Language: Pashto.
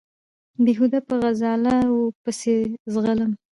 بېهوده په غزاله وو پسې ځغلم